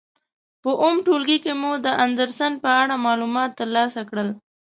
په اووم ټولګي کې مو د اندرسن په اړه معلومات تر لاسه کړل.